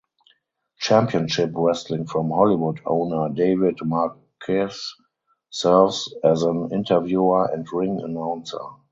Championship Wrestling from Hollywood owner David Marquez serves as an interviewer and ring announcer.